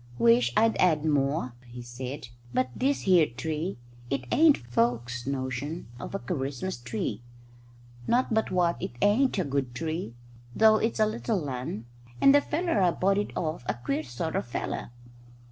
"Wish I'd 'ad more," he said, "but this here tree, it ain't folk's notion of a Ker rismus tree. Not but what it ain't a good tree, though it's a little 'un, and the feller I bought it off a queer sort of feller."